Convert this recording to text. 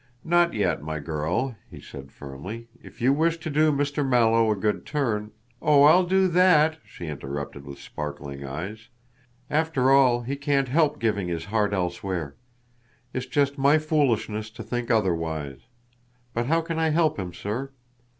"Not yet, my girl," he said firmly, "if you wish to do Mr. Mallow a good turn " "Oh, I'll do that," she interrupted with sparkling eyes, "after all, he can't help giving his heart elsewhere. It's just my foolishness to think otherwise. But how can I help him, sir?"